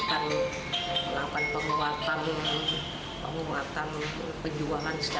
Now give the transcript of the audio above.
baik itu pemerintah pusat kementerian pertanian bintang indonesia